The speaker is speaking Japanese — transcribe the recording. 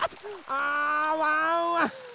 あワンワン